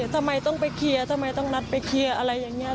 ทำไมต้องไปเคลียร์ทำไมต้องนัดไปเคลียร์อะไรอย่างนี้